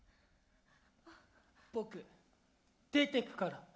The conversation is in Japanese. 僕出てくから。